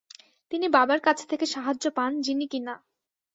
তিনি বাবার কাছ থেকে সাহায্য পান যিনি কিনা